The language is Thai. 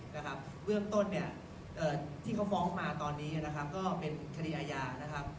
เรื่องต้นที่เขาฟ้องมาตอนนี้ก็เป็นคดีอาญา